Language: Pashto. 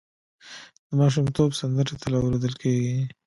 د ماشومتوب سندرې تل اورېدل کېږي.